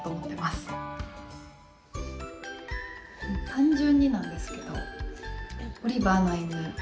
単純になんですけど「オリバーな犬、Ｇｏｓｈ！！